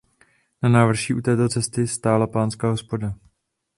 Na návrší u této cesty stála panská hospoda.